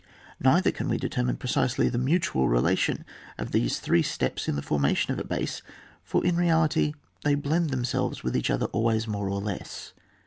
Neither can we determine precisely the mutual relation of these three steps in the formation of a base, for in reidity they blend themselves with each other always more or less.